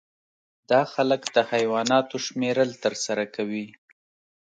دا خلک د حیواناتو شمیرل ترسره کوي